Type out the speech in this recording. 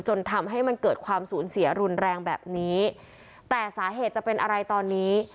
จนทำให้มันเกิดความสูญเสียรุนแรงแบบนี้แต่สาเหตุจะเป็นอะไรตอนนี้